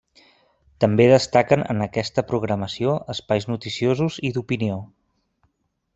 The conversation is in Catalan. També destaquen en aquesta programació espais noticiosos i d'opinió.